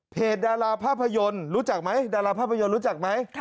ดาราภาพยนตร์รู้จักไหมดาราภาพยนตร์รู้จักไหม